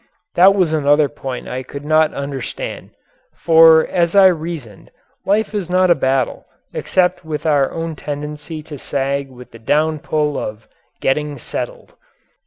That was another point I could not understand, for as I reasoned, life is not a battle except with our own tendency to sag with the downpull of "getting settled."